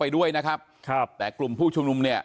ทางรองศาสตร์อาจารย์ดรอคเตอร์อัตภสิตทานแก้วผู้ชายคนนี้นะครับ